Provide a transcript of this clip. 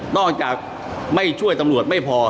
จากไม่ช่วยตำรวจไม่พอ